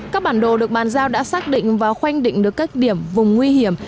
các bản đồ được bàn giao đã xác định và khoanh định được các điểm vùng nguy hiểm